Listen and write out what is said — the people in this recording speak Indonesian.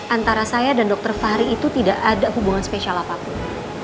antara saya dan dr fahri itu tidak ada hubungan spesial apapun